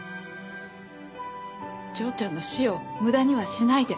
丈ちゃんの死を無駄にはしないで。